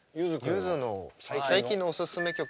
ゆづの最近のおすすめ曲を。